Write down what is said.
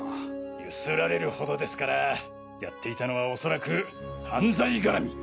ゆすられるほどですからやっていたのは恐らく犯罪がらみ。